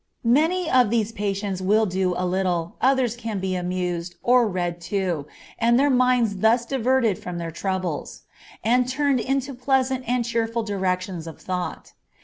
Many of these patients will do a little, others can be amused, or read to, and their minds thus diverted from their troubles, and turned into pleasant and cheerful directions of thought.